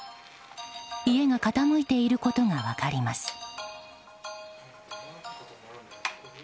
家が傾いていることが分かります。